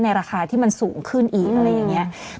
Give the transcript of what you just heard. ราคาที่มันสูงขึ้นอีกอะไรอย่างนี้